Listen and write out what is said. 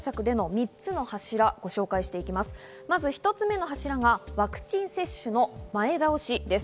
１つ目の柱がワクチン接種の前倒しです。